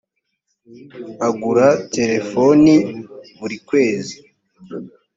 agura telefoni burikwezi.